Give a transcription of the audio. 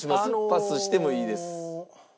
パスしてもいいです。